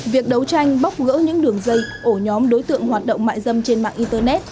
việc đấu tranh bóc gỡ những đường dây ổ nhóm đối tượng hoạt động mại dâm trên mạng internet